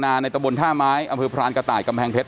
นาในตะบลท่าไม้เอาคือพรานกระต่ายกระมแพงเท็ต